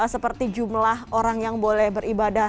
seperti jumlah orang yang boleh beribadah